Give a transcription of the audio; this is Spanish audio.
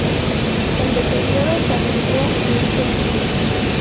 El deterioro se acentuó en este siglo.